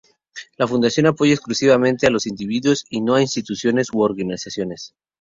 La Fundación apoya exclusivamente a los individuos y no a instituciones u organizaciones.